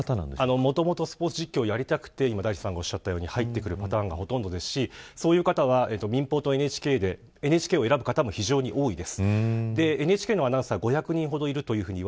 もともとスポーツ実況がやりたくて入ってくるパターンがほとんどですしそういう方は、民放とＮＨＫでＮＨＫを選ぶ方も非常に多いです。